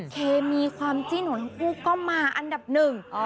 เคมีความจิ้นของทั้งคู่ก็มาอันดับหนึ่ง